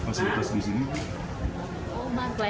saya sudah bicara juga tadi